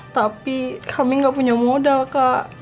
tapi kami nggak punya modal kak